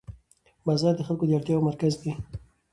بازار د خلکو د اړتیاوو مرکز دی